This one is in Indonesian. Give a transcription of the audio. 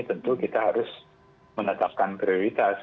tentu kita harus menetapkan prioritas